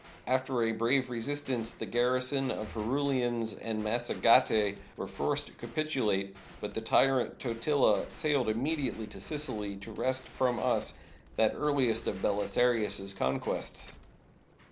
After a brave resistance, the garrison of Herulians and Mas sagetae were forced to capitulate. But the tyrant Tot ila sailed immediately to Sicily, to wrest from us that earliest of Belisarius's conquests.